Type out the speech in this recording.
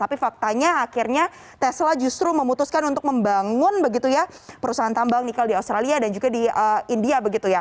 tapi faktanya akhirnya tesla justru memutuskan untuk membangun perusahaan tambang nikel di australia dan juga di india